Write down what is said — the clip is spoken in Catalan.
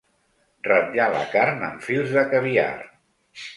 Ratllar la carn amb fils de caviar.